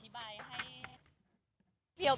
ว่าไม่ได้อธิบายให้